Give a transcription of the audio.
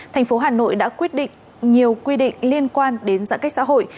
thành phố hà nội đã quyết định nhiều quy định liên quan đến giãn cách xã hội